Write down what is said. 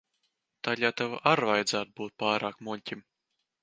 Tad jau tev ar vajadzētu būt pārāk muļķim.